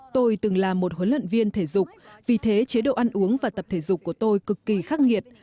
tôi từng là một huấn luyện viên thể dục vì thế chế độ ăn uống và tập thể dục của tôi cực kỳ khắc nghiệt